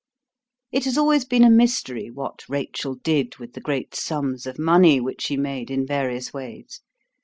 It has always been a mystery what Rachel did with the great sums of money which she made in various ways.